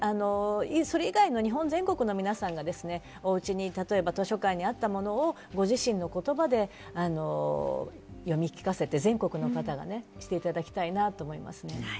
それ以外の日本全国の皆さんが、おうちに図書館にあったものをご自身の言葉で読み聞かせて全国の方がしていただきたいなと思いますね。